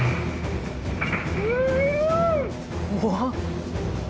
怖っ！